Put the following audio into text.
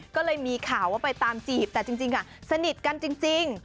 ก็เลยมีข่าวว่าไปตามจีบแต่จริงค่ะสนิทกันจริง